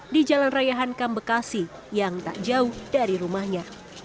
di jalan raya hankam bekasi yang tak jauh dari rumahnya